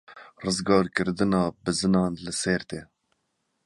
Rizgarkirina bizinan li Sêrtê.